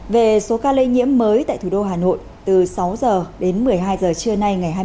về số ca lây nhiễm mới tại thủ đô hà nội từ sáu h đến một mươi hai h trưa nay ngày hai mươi một tháng chín